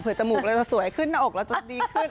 จมูกเราจะสวยขึ้นหน้าอกเราจะดีขึ้น